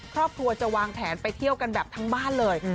ครอบครัวจะวางแผนไปเที่ยวกันแบบทั้งบ้านเลย